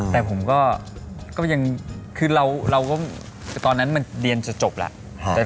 แต่ผมก็ยังคือเราก็ตอนนั้นมันเรียนจะจบแล้ว